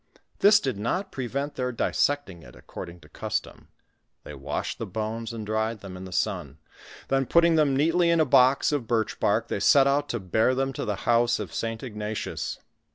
This did not prevent their dissecting it according to custom ; they washed the bones, and dried theiu in the sun, then putting them neatly in a box of birch bark, they set out to bear them to the house of St. Ignatius.